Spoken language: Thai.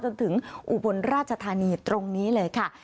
อุบลราชธานีตรงนี้เลยค่ะ